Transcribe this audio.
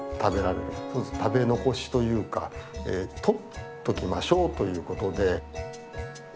食べ残しというか取っときましょうということで。